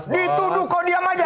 dituduh kok diam aja